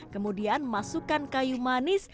kemudian masukkan kayu manis